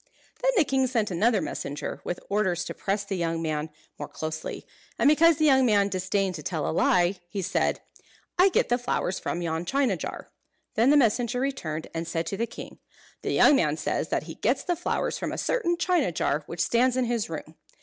Then the king sent another messenger, with orders to press the young man more closely; and because the young man disdained to tell a lie, he said, "I get the flowers from yon china jar." Then the messenger returned, and said to the king, "The young man says that he gets the flowers from a certain china jar which stands in his room."